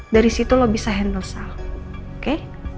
dari situ lu bisa handle sal oke